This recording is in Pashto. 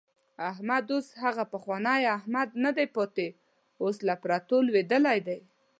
احمد اوس هغه پخوانی نه دی پاتې، اوس له پرتو لوېدلی دی.